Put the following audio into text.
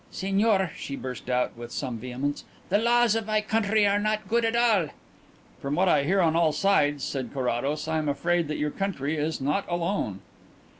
"Signor," she burst out, with some vehemence, "the laws of my country are not good at all." "From what I hear on all sides," said Carrados, "I am afraid that your country is not alone."